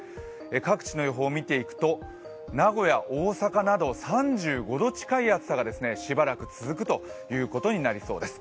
各地の予報を見ていくと、名古屋大阪など３５度近い暑さがしばらく続くということになりそうです。